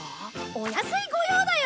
お安い御用だよ！